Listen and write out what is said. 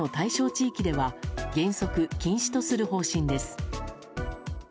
地域では原則禁止とする方針です。